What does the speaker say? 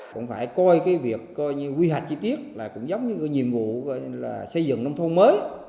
cũng phải coi việc quy hoạch chi tiết là cũng giống như nhiệm vụ xây dựng nông thôn mới